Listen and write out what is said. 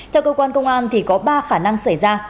theo cơ quan công an có ba khả năng xảy ra